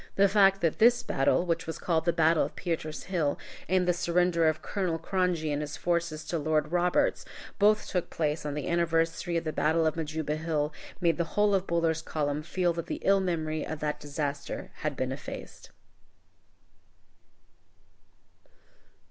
The fact that this battle, which was called the Battle of Pieter's Hill, and the surrender of General Cronje and his forces to Lord Roberts, both took place on the anniversary of the battle of Majuba Hill, made the whole of Buller's column feel that the ill memory of that disaster had been effaced.